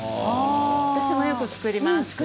私もよく作ります。